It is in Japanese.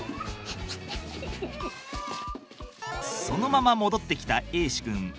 そのまま戻ってきた瑛志くん。